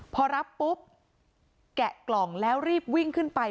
พอรับปุ๊บแกะกล่องแล้วรีบวิ่งขึ้นไป